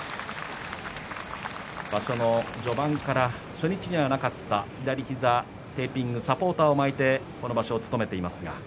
場所の序盤から初日にはなかった左膝にテーピングやサポーターを巻いて今場所を務めています。